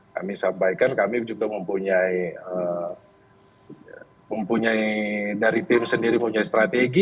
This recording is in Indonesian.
kami sampaikan kami juga mempunyai dari tim sendiri mempunyai strategi